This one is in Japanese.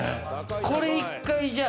これ一回じゃあ。